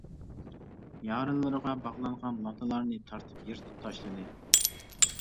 يارىلىرىغا باغلانغان لاتىلارنى تارتىپ يىرتىپ تاشلىدى.